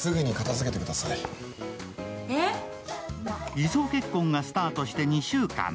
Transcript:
偽装結婚がスタートして２週間。